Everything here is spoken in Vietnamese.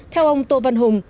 theo ông tô văn hùng